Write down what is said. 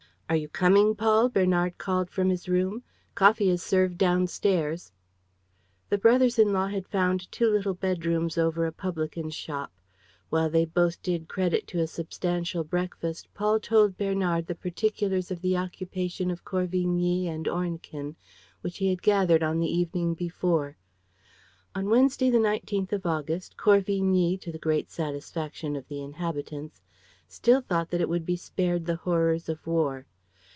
"Are you coming, Paul?" Bernard called from his room. "Coffee is served downstairs." The brothers in law had found two little bedrooms over a publican's shop. While they both did credit to a substantial breakfast, Paul told Bernard the particulars of the occupation of Corvigny and Ornequin which he had gathered on the evening before: "On Wednesday, the nineteenth of August, Corvigny, to the great satisfaction of the inhabitants, still thought that it would be spared the horrors of war.